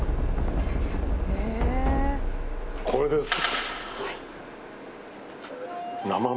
これです。